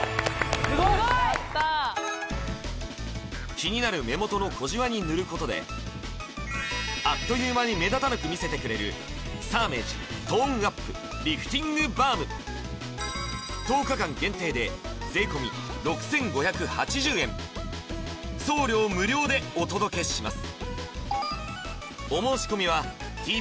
すごいっやったあ気になる目元の小じわに塗ることであっという間に目立たなく見せてくれるサーメージトーンアップリフティングバーム１０日間限定で税込６５８０円送料無料でお届けします